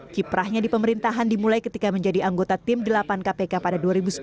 kiprahnya di pemerintahan dimulai ketika menjadi anggota tim delapan kpk pada dua ribu sepuluh